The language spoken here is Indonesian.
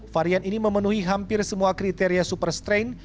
varian ini memenuhi hampir semua kriteria superkondisi